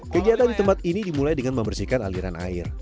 kegiatan di tempat ini dimulai dengan membersihkan aliran air